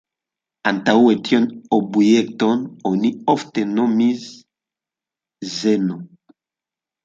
Antaŭe tiun objekton oni ofte nomis "Zeno".